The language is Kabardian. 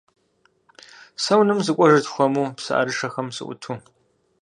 Сэ унэм сыкӀуэжырт хуэму псыӀэрышэм сыӀуту.